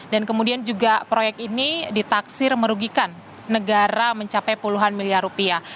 dan kemudian juga proyek ini ditaksir merugikan negara mencapai puluhan miliar rupiah